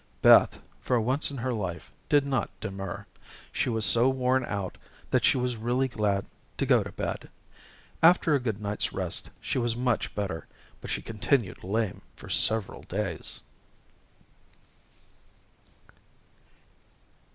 Beth for once in her life did not demur. She was so worn out that she was really glad to go to bed. After a good night's rest she was much better, but she continued lame for several days.